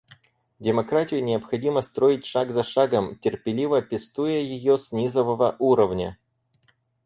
Демократию необходимо строить шаг за шагом, терпеливо пестуя ее с низового уровня.